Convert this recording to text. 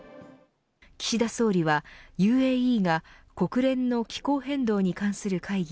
岸田総理はＵＡＥが国連の気候変動に関する会議